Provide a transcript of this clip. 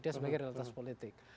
dia sebagai realitas politik